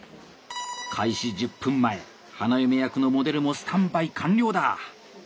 開始１０分前花嫁役のモデルもスタンバイ完了だ。